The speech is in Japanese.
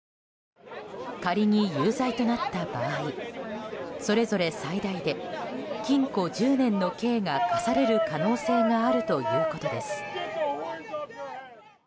仮に有罪となった場合それぞれ最大で禁錮１０年の刑が科される可能性があるということです。